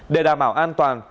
để đảm bảo an toàn